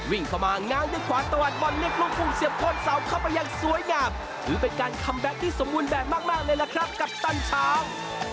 วิ่งเข้ามางางด้วยขวาตวัดบอลเล็กลูกภูมิเสียบโทษเสาเข้าไปยังสวยงามถือเป็นการคัมแบบที่สมวนแบบมากเลยล่ะครับกัปตันฉาง